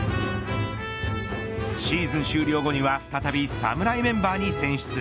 シーズン終了後には再び、侍メンバーに選出。